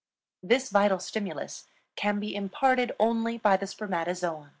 This vital stimulus can be imparted only by the spermatozoon.